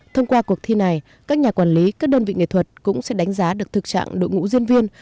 thông qua cuộc thi này các nhà quản lý các đơn vị nghệ thuật cũng sẽ đánh giá được thực trạng đội ngũ diễn viên